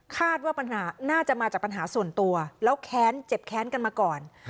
คาดว่าปัญหาน่าจะมาจากปัญหาส่วนตัวแล้วแค้นเจ็บแค้นกันมาก่อน